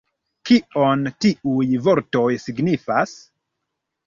Kion tiuj vortoj signifas?